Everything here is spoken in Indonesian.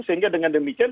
sehingga dengan demikian